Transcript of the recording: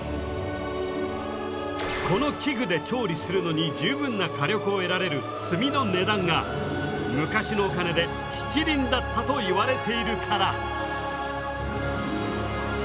この器具で調理するのに十分な火力を得られる炭の値段が昔のお金で７厘だったといわれているから。